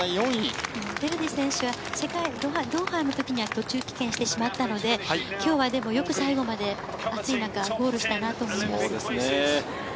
デレッジェ選手はドーハの時には途中棄権してしまったんですが、今日はよく最後まで暑い中ゴールしたなと思います。